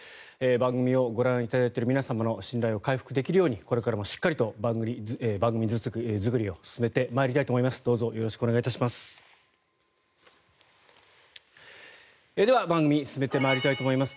番組をご覧いただいている皆様の信頼を回復できるようにこれからもしっかりと番組作りを進めてまいりたいと思います。